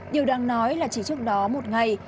điều đang nói là chỉ trước đó một ngày